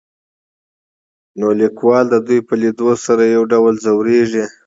نو ليکوال د دوي په ليدو سره يو ډول ځوريږي.